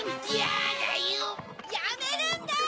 ・やめるんだ！